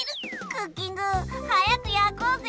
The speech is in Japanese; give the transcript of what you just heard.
クッキングはやくやこうぜ。